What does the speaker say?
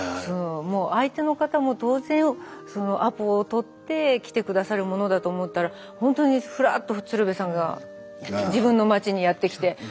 そうもう相手の方も当然アポを取って来て下さるものだと思ったらほんとにふらっと鶴瓶さんが自分の町にやって来て。